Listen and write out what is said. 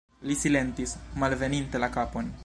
Li silentis, mallevinte la kapon.